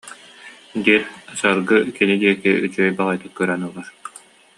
диэт, Саргы кини диэки үчүгэй баҕайытык көрөн ылар